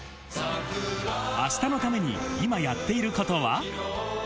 あしたのために今やっていることは？